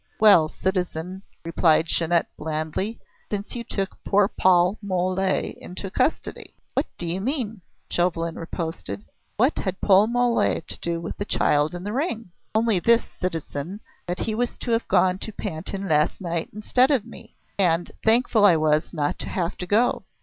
"Well, citizen," replied Jeannette blandly, "since you took poor Paul Mole into custody." "What do you mean?" Chauvelin riposted. "What had Paul Mole to do with the child and the ring?" "Only this, citizen, that he was to have gone to Pantin last night instead of me. And thankful I was not to have to go.